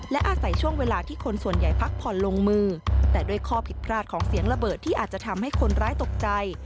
และอาศัยช่วงเวลาที่คนส่วนใหญ่พักผ่อนลงมือแต่ด้วยข้อผิดพลาดของเสียงระเบิดที่อาจจะทำให้คนร้ายตกใจ